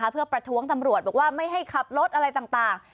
เพื่อประท้วงตำรวจบอกว่าไม่ให้ขับรถอะไรต่าง